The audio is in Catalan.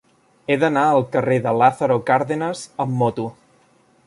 He d'anar al carrer de Lázaro Cárdenas amb moto.